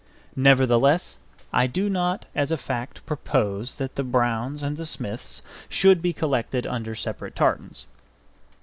Nevertheless, I do not as a fact propose that the Browns and the Smiths should be collected under separate tartans.